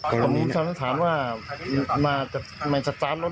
อันนี้ความฐานว่ามากับมาสตร้อนรถ